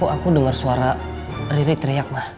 aku dengar suara riri teriak mah